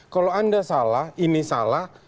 kalau anda salah ini salah